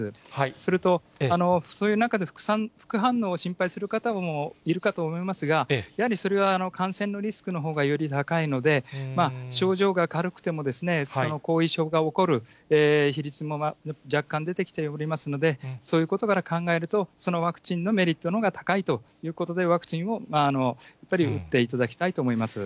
それと、そういう中で副反応を心配する方もいるかと思いますが、やはりそれは感染のリスクのほうがより高いので、症状が軽くても後遺症が起こる比率も若干出てきておりますので、そういうことから考えると、そのワクチンのメリットのほうが高いということで、ワクチンをやっぱり打っていただきたいと思います。